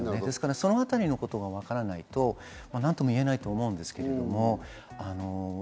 そのあたりのことがわからないと何ともいえないと思いますけれども。